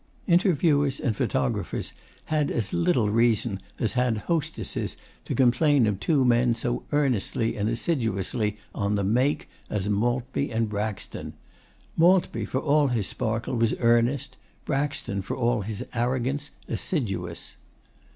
Interviewers and photographers had as little reason as had hostesses to complain of two men so earnestly and assiduously 'on the make' as Maltby and Braxton. Maltby, for all his sparkle, was earnest; Braxton, for all his arrogance, assiduous.